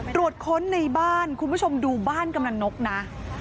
ตรวจค้นในบ้านคุณผู้ชมดูบ้านกำลังนกนะ